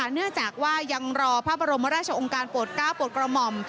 เนื่องจากว่ายังรอพระบรมราชองค์การโปรดก้าวโปรดกระหม่อม